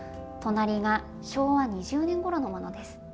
隣が昭和２０年ごろのものです。